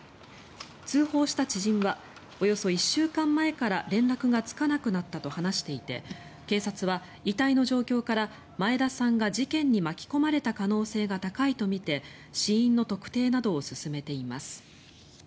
通報した知人はおよそ１週間前から連絡がつかなくなったと話していて警察は遺体の状況から前田さんが事件に巻き込まれた可能性が高いとみて死因の特定などを進めています。